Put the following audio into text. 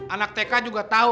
anak tk juga tahu